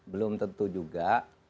belum tentu juga